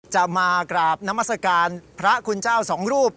จะมากราบนามัศกาลพระคุณเจ้าสองรูป